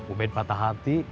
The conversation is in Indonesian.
ubed patah hati